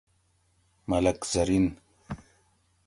ملک زرین